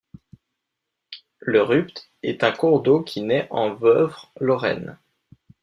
Le Rupt est un cours d'eau qui naît en Woëvre lorraine.